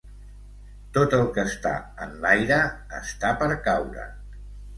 Tot el que està enlaire, està per caure.